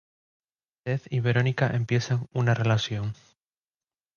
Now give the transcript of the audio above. Seth y Veronica empiezan una relación.